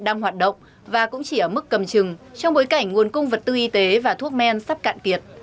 đang hoạt động và cũng chỉ ở mức cầm chừng trong bối cảnh nguồn cung vật tư y tế và thuốc men sắp cạn kiệt